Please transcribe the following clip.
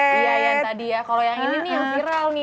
iya yang tadi ya kalau yang ini nih yang viral nih